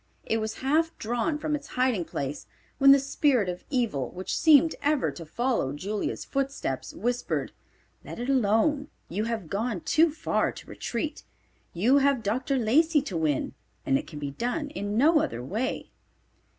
It was half drawn from its hiding place when the spirit of evil which seemed ever to follow Julia's footsteps whispered, "Let it alone. You have gone too far to retreat. You have Dr. Lacey to win, and it can be done in no other way."